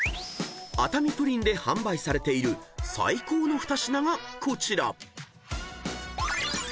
［「熱海プリン」で販売されている最高の２品がこちら］